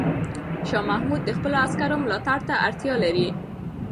شاه محمود د خپلو عسکرو ملاتړ ته اړتیا لري.